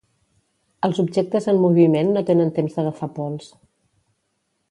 Els objectes en moviment no tenen temps d'agafar pols.